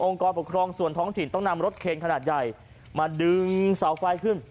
กรปกครองส่วนท้องถิ่นต้องนำรถเคนขนาดใหญ่มาดึงเสาไฟขึ้น